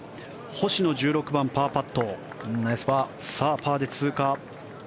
星野、１６番、パーパットパーで通過。